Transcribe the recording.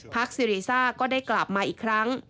ซีรีซ่าก็ได้กลับมาอีกครั้ง